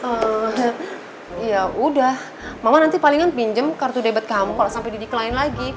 oh ya udah mama nanti palingan pinjem kartu debit kamu kalau sampai didecline lagi